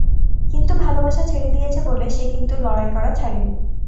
কিন্তু ভালোবাসা ছেড়ে দিয়েছে বলে, সে কিন্তু লড়াই করা ছাড়েনি।